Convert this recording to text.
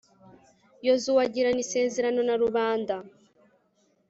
yozuwe agirana isezerano na rubanda